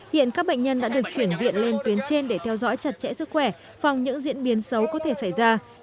hiện các bệnh nhân đã được chuyển viện lên tuyến trên để theo dõi chặt chẽ sức khỏe phòng những diễn biến xấu có thể xảy ra